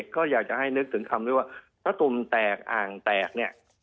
ก็อยากจะให้นึกถึงคำที่ว่าถ้าตุ่มแตกอ่างแตกเนี่ย